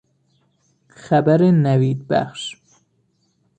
خبر نوید بخش